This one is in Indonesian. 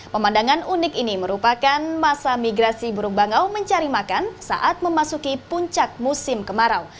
pemandangan unik ini merupakan masa migrasi burung bangau mencari makan saat memasuki puncak musim kemarau